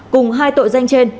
cùng hai tội danh trên